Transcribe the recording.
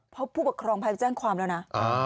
เพราะผู้ปกครองพายแจ้งความแล้วนะ